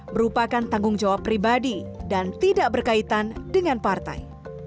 merupakan tanggung jawab pribadi dan tidak berkaitan dengan partai